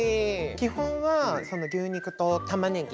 基本は牛肉とたまねぎ。